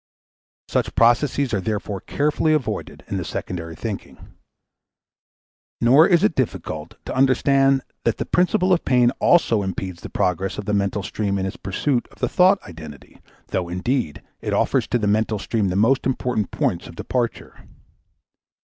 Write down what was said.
Such processes are therefore carefully avoided in the secondary thinking. Nor is it difficult to understand that the principle of pain also impedes the progress of the mental stream in its pursuit of the thought identity, though, indeed, it offers to the mental stream the most important points of departure.